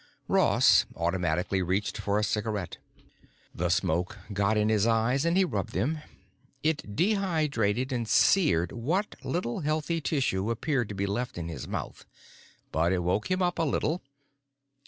"Uh." Ross automatically reached for a cigarette. The smoke got in his eyes and he rubbed them; it dehydrated and seared what little healthy tissue appeared to be left in his mouth. But it woke him up a little.